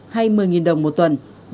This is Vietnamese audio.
hay một mươi đồng một tuần